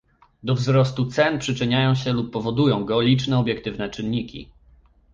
Do wzrostu cen przyczyniają się lub powodują go liczne obiektywne czynniki